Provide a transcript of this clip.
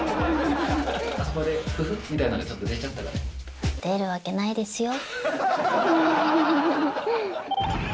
そこで、出るわけないですよ。